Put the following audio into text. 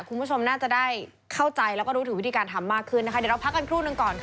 คุณผู้ชมน่าจะได้เข้าใจและรู้ถึงวิธีการทำกันข้างมากขึ้น